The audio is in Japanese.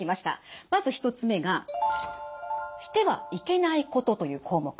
まず１つ目が「してはいけないこと」という項目。